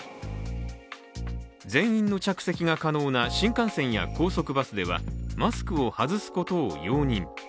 全員の着席が可能な新幹線や高速バスではマスクを外すことを容認。